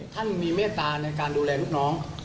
ท่านมีเมตตาในการดูแลลูกน้อง